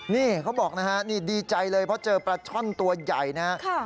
นี่เขาบอกนะฮะนี่ดีใจเลยเพราะเจอปลาช่อนตัวใหญ่นะครับ